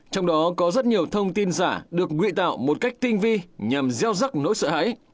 trong đó có rất nhiều thông tin giả được nguy tạo một cách tinh vi nhằm gieo rắc nỗi sợ hãi